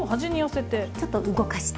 ちょっと動かして。